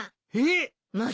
えっ！？